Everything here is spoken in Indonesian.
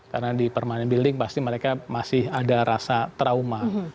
karena di permanent building pasti mereka masih ada rasa trauma